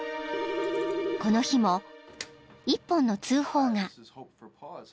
［この日も１本の通報が］